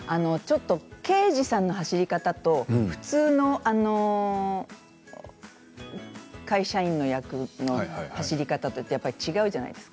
刑事さんの走り方と普通の会社員の役の走り方とやっぱり違うじゃないですか